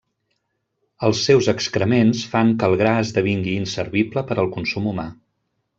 Els seus excrements fan que el gra esdevingui inservible per al consum humà.